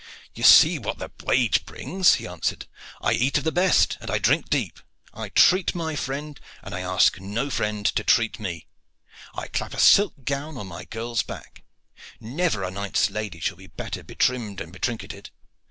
"You see what the wage brings," he answered. "I eat of the best, and I drink deep. I treat my friend, and I ask no friend to treat me. I clap a silk gown on my girl's back. Never a knight's lady shall be better betrimmed and betrinketed.